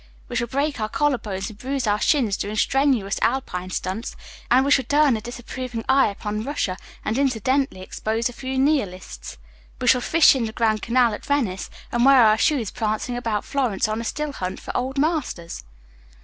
We shall break our collar bones and bruise our shins doing strenuous Alpine stunts, and we shall turn a disapproving eye upon Russia and incidentally expose a few Nihilists. We shall fish in the Grand Canal at Venice and wear out our shoes prancing about Florence on a still hunt for old masters.